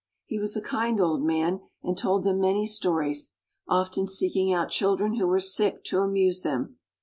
He was a kind old man and told them many stories, often seeking out children who were sick to amuse them.